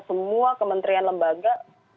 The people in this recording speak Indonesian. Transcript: semua kementerian lembaga